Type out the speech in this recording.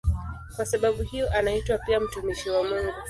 Kwa sababu hiyo anaitwa pia "mtumishi wa Mungu".